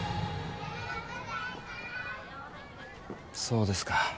そうですか。